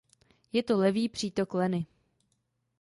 Je to levý přítok Leny.